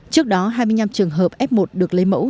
trước đó hai mươi năm trường hợp f một được lấy mẫu